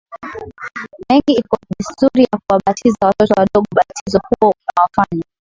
mengi iko desturi ya kuwabatiza watoto wadogo Ubatizo huo unawafanya